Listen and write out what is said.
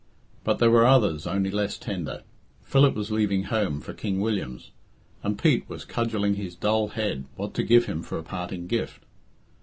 But there were others only less tender. Philip was leaving home for King William's, and Pete was cudgelling his dull head what to give him for a parting gift.